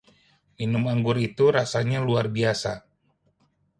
Minuman anggur itu rasanya luar biasa.